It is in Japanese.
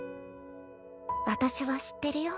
私は知ってるよ